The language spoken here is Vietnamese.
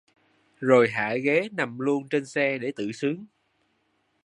rồi hạ ghế nằm luôn trên xe để tự sướng